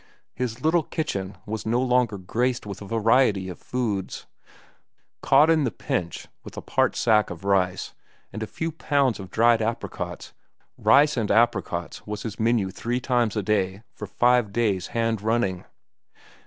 His little kitchen was no longer graced with a variety of foods. Caught in the pinch with a part sack of rice and a few pounds of dried apricots, rice and apricots was his menu three times a day for five days hand running.